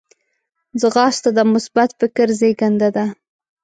ځغاسته د مثبت فکر زیږنده ده